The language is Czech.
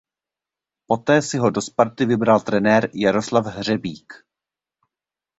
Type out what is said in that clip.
Poté si ho do Sparty vybral trenér Jaroslav Hřebík.